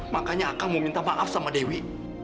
makanya akang mau minta maaf sama dewi